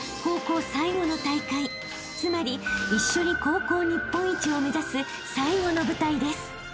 ［つまり一緒に高校日本一を目指す最後の舞台です］